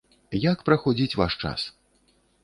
Як праходзіць ваш час?